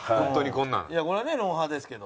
これはね『ロンハー』ですけど。